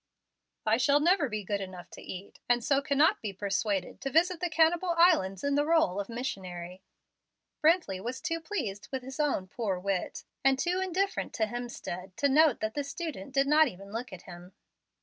"I shall never be good enough to eat, and so cannot be persuaded to visit the Cannibal Islands in the role of missionary." Brently was too pleased with his own poor wit, and too indifferent to Hemstead, to note that the student did not even look at him.